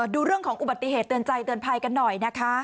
ดูเรื่องของอุบัติเหตุเตือนใจเตือนภัยกันหน่อยนะคะ